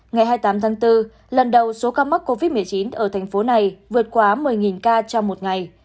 ngày hai mươi tám tháng bốn lần đầu số ca mắc covid một mươi chín ở thành phố này vượt quá một mươi ca trong một ngày